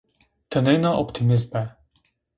Tenêna optîmîst be